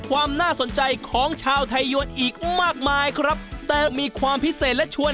ความน่าสนใจของชาวไทยยวนอีกมากมายครับแต่มีความพิเศษและชวน